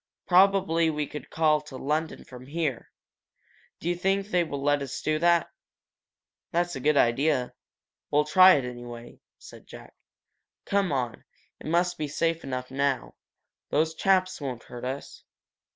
Probably we could call to London from here. Do you think they will let us do that?" "That's a good idea. We'll try it, anyway," said Jack. "Come on. It must be safe enough now. These chaps won't hurt us."